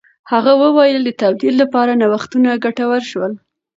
هغه وویل د تولید لپاره نوښتونه ګټور شول.